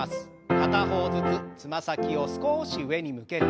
片方ずつつま先を少し上に向けて。